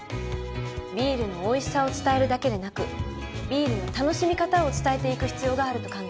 ビールのおいしさを伝えるだけでなくビールの楽しみ方を伝えていく必要があると考えます。